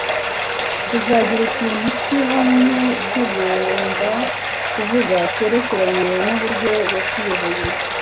tuzagira ikintu cyihanye tugomba kuvuga cyerekeranye n'uburyo yatuyoboye.